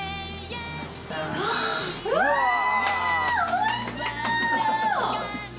おいしそう！